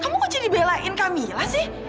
kamu kok jadi belain kamilah sih